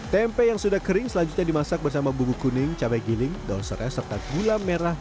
tempe yang sudah kering selanjutnya dimasak bersama bubuk kuning cabai giling daun serai serta gula merah